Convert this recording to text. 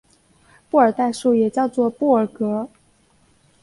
布尔代数也叫做布尔格。